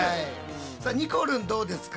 さあにこるんどうですか？